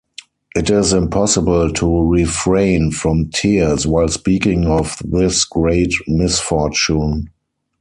It is impossible to refrain from tears while speaking of this great misfortune.